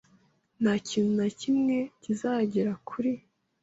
Nta kintu nawe kimwe kizagera kuri .